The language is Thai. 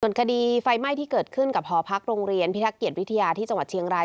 คดีไฟไหม้ที่เกิดขึ้นกับหอพักโรงเรียนพิทักเกียรวิทยาที่จังหวัดเชียงราย